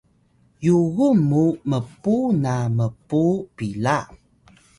yugun muw mpuw na mpuw pila